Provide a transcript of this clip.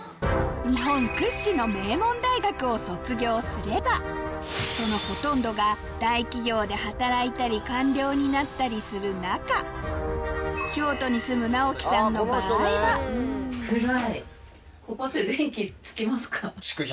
日本屈指の名門大学を卒業すればそのほとんどが大企業で働いたり官僚になったりする中京都に住むナオキさんの場合はここって電気つきますか？